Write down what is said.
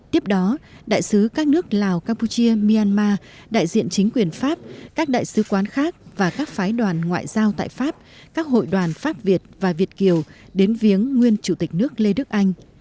tiếp đó đại sứ các nước lào campuchia myanmar đại diện chính quyền pháp các đại sứ quán khác và các phái đoàn ngoại giao tại pháp các hội đoàn pháp việt và việt kiều đến viếng nguyên chủ tịch nước lê đức anh